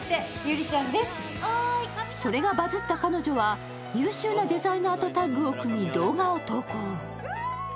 それがバズッた彼女は優秀なデザイナーとタッグを組み動画を投稿。